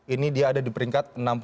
ini dia ada di peringkat enam puluh